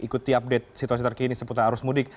ikuti update situasi terkini seputar arus mudik